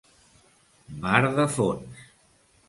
Mar de fons.